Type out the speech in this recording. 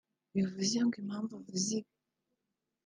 Bivuze ngo impamvu avuze ibi